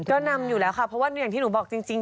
ก็นำอยู่แล้วค่ะเพราะว่าอย่างที่หนูบอกจริง